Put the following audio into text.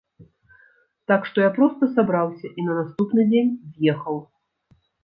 Так што я проста сабраўся і на наступны дзень з'ехаў.